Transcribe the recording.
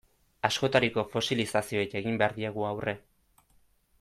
Askotariko fosilizazioei egin behar diegu aurre.